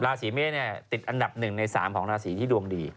ราศีเมษติดอันดับ๑ใน๓ของราศีที่ดวงดี